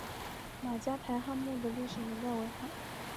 马家台汉墓的历史年代为汉。